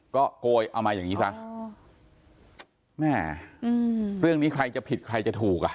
ก็โกยเอามาอย่างงี้ซะแม่อืมเรื่องนี้ใครจะผิดใครจะถูกอ่ะ